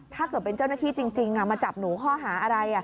ถ้าเกิดเป็นเจ้าหน้าที่จริงมาจับหนูข้อหาอะไร